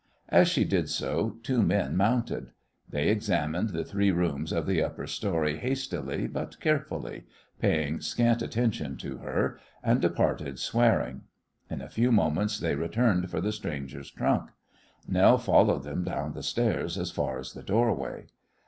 As she did so, two men mounted. They examined the three rooms of the upper story hastily but carefully, paying scant attention to her, and departed swearing. In a few moments they returned for the stranger's trunk. Nell followed them down the stairs as far as the doorway.